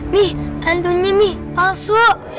nih tantunya nih palsu